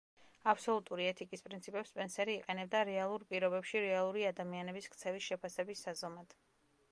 აბსოლუტური ეთიკის პრინციპებს სპენსერი იყენებდა რეალურ პირობებში რეალური ადამიანების ქცევის შეფასების საზომად.